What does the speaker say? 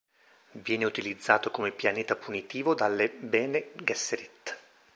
Viene utilizzato come pianeta punitivo dalle Bene Gesserit.